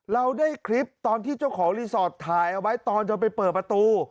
เราได้คลิปตอนที่เจ้าของรีสอร์ทถ่ายเอาไว้ตอนจะไปเปิดประตู